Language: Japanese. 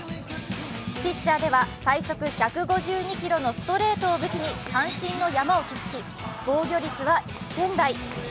ピッチャーでは最速１５２キロのストレートを武器に三振の山を築き、防御率は１点台。